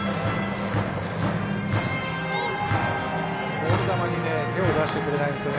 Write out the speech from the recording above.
ボール球に手を出してくれないんですよね